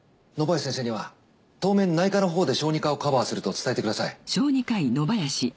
野林先生には当面内科のほうで小児科をカバーすると伝えてください。